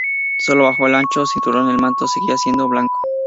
Sólo bajo el ancho cinturón, el manto seguía siendo blanco.